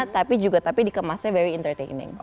tapi juga tapi dikemasnya very entertaining